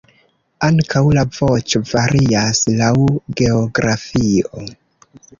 Ankaŭ la voĉo varias laŭ geografio.